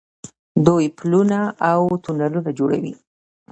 دوی پلونه او تونلونه جوړوي.